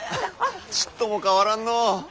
ちっとも変わらんのう。